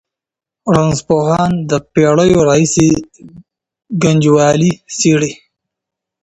رنځپوهان د پېړیو راهېسې ګنجوالي څېړي.